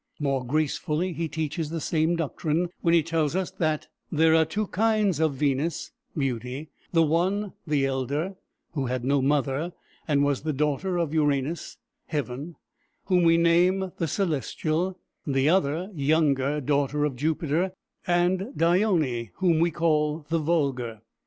More gracefully he teaches the same doctrine when he tells us that "there are two kinds of Venus (beauty); the one, the elder, who had no mother, and was the daughter of Uranus (heaven), whom we name the celestial; the other, younger, daughter of Jupiter and Dione, whom we call the vulgar."